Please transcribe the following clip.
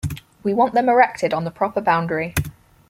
We want them erected on the proper boundary.